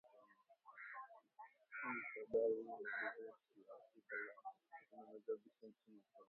Chanzo cha habari hii ni gazeti la Africa la Mashariki linalochapishwa nchini Kenya